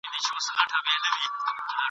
خو نه هسي چي زمری وو ځغلېدلی !.